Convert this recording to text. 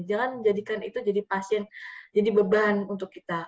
jangan jadikan itu jadi beban untuk kita